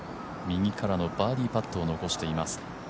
右からのバーディーパットを残しています。